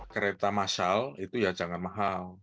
kereta masal itu ya jangan mahal